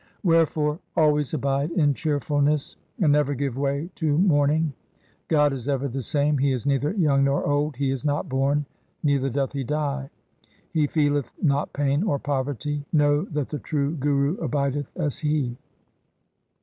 Wherefore always abide in cheerfulness, and never give way to mourning. God is ever the same. He is neither young nor old. He is not born, neither doth he die. He feeleth not pain or poverty. Know that the true Guru abideth as He.